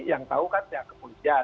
yang tahu kan pihak kepolisian